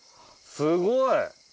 すごい。